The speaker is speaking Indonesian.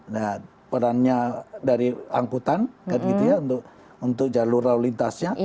nah perannya dari angkutan kan gitu ya untuk jalur lalu lintasnya